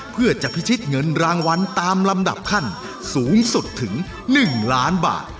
เพื่อจะพิชิตเงินรางวัลตามลำดับขั้นสูงสุดถึง๑ล้านบาท